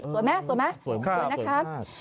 สวยไหมสวยไหมสวยนะครับ